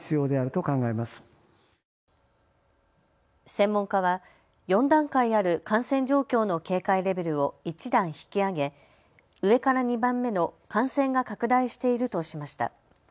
専門家は４段階ある感染状況の警戒レベルを１段引き上げ上から２番目の感染が拡大しているとしました。